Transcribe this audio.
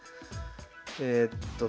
えっと９。